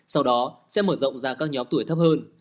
sau đó sẽ mở rộng ra các nhóm tuổi thấp hơn